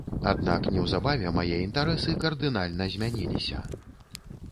Аднак неўзабаве мае інтарэсы кардынальна змяніліся.